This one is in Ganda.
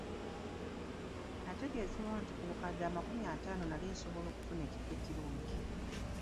Nategeezebwa nti ku bukadde amakumi ataano nali nsobola okufuna ekifo ekirungi.